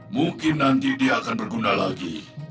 mungkin nanti dia akan berguna lagi